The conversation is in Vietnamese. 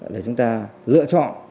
để chúng ta lựa chọn